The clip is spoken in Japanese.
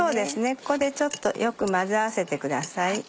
ここでちょっとよく混ぜ合わせてください。